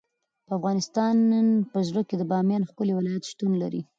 د افغانستان په زړه کې د بامیان ښکلی ولایت شتون لري.